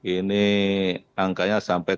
ini angkanya sampai